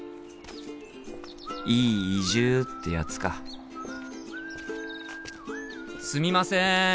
いい移住ってやつかすみません！